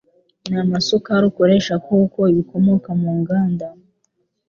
n'amasukari ukoresha kuko ibikomoka mu nganda